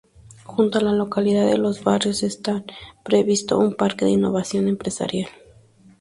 Junto a la localidad de Los Barrios está previsto un Parque de Innovación Empresarial.